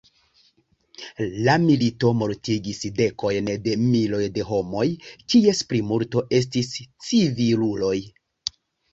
La milito mortigis dekojn de miloj de homoj, kies plimulto estis civiluloj.